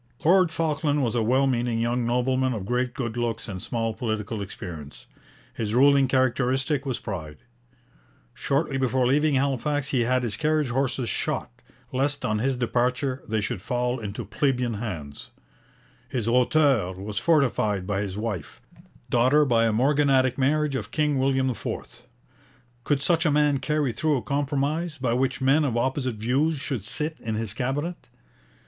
Lord Falkland was a well meaning young nobleman of great good looks and small political experience. His ruling characteristic was pride. Shortly before leaving Halifax he had his carriage horses shot, lest on his departure they should fall into plebeian hands. His hauteur was fortified by his wife, daughter by a morganatic marriage of King William IV. Could such a man carry through a compromise, by which men of opposite views should sit in his Cabinet?